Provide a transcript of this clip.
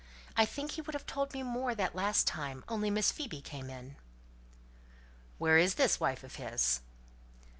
I think he would have told me more that last time, only Miss Phoebe came in." "Where is this wife of his?"